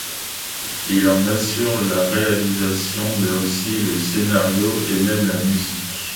Il en assure la réalisation, mais aussi le scénario et même la musique.